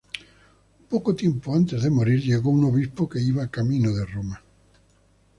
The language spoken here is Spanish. Poco tiempo antes de morir, llegó un obispo que iba camino de Roma.